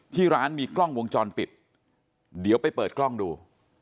ที่ร้านมีกล้องวงจรปิดเดี๋ยวไปเปิดกล้องดู